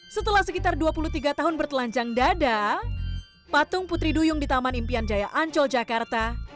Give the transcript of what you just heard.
setelah sekitar dua puluh tiga tahun bertelanjang dada patung putri duyung di taman impian jaya ancol jakarta